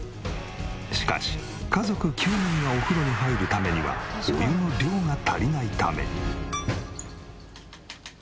しかし家族９人がお風呂に入るためにはお湯の量が足りないため。